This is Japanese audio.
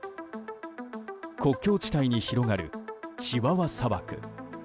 国境地帯に広がるチワワ砂漠。